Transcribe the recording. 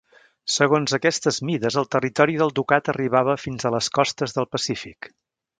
Segons aquestes mides el territori del Ducat arribava fins a les costes del Pacífic.